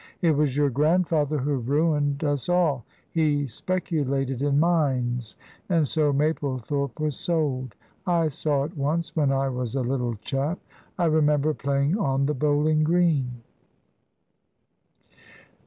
It was your grandfather who ruined us all; he speculated in mines, and so Maplethorpe was sold. I saw it once, when I was a little chap: I remember playing on the bowling green."